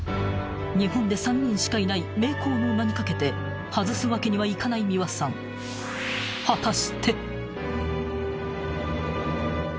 ［日本で３人しかいない名工の名に懸けて外すわけにはいかない三輪さん］あっ。